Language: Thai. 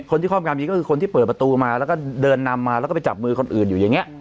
ข้อความนี้ก็คือคนที่เปิดประตูมาแล้วก็เดินนำมาแล้วก็ไปจับมือคนอื่นอยู่อย่างนี้